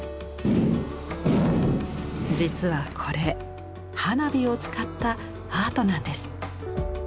実はこれ花火を使ったアートなんです。